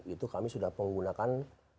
itu kami sudah menggunakan